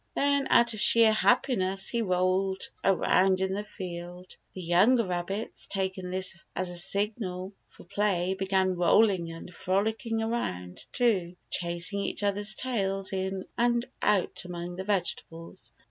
Then out of sheer happiness he rolled around in the field. The younger rabbits, taking this as a signal for play, began rolling and frolicking around, too, chasing each other's tails in and out among the vegetables.